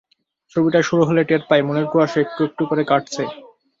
ছবিটি শুরু হলে টের পাই, মনের কুয়াশা একটু একটু করে কাটছে।